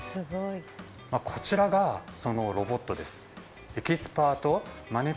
こちらが、そのロボットです。